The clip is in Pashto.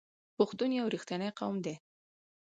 پښتون یو رښتینی قوم دی.